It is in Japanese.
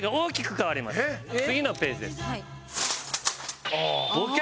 次のページです。